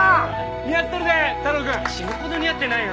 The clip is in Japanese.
似合っとるで太郎くん！死ぬほど似合ってないよ。